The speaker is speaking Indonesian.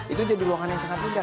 itu jadi ruangan yang sangat mudah